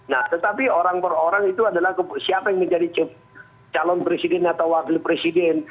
nah tetapi orang per orang itu adalah siapa yang menjadi calon presiden atau wakil presiden